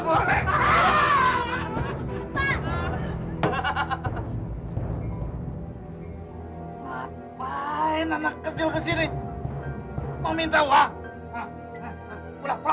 tuh berat sekali syaratnya pak